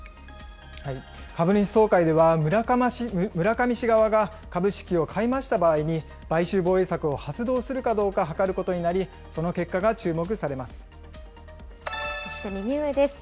株主総会では、村上氏側が株式を買い増した場合に、買収防衛策を発動するかどうか諮ることになり、その結果が注目さそして右上です。